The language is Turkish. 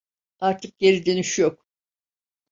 Artık geri dönüş yok.